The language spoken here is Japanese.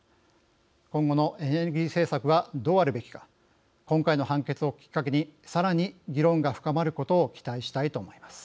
今後のエネルギー政策はどうあるべきか今回の判決をきっかけにさらに議論が深まることを期待したいと思います。